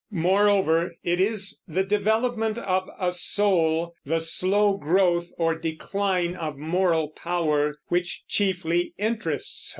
Moreover, it is the development of a soul, the slow growth or decline of moral power, which chiefly interests her.